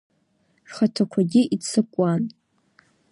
Рхаҭақәагьы иццакуан.